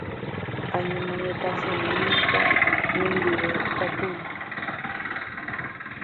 Añemongetasemíniko nendive ikatúrõ